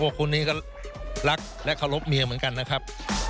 ขอบคุณคุณนี้ก็รักและขอรบเมียเหมือนกันนะครับ